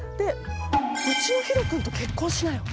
「うちのひろ君と結婚しなよ！」